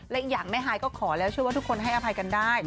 และอีกอย่างแม่ฮายก็ขอแล้วเชื่อว่าทุกคนให้อภัยกันได้